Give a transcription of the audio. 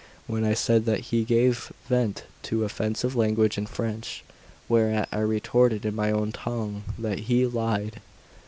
When I said that he gave vent to offensive language in French, whereat I retorted in my own tongue that he lied.